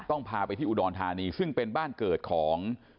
พาไปที่อุดรธานีซึ่งเป็นบ้านเกิดของ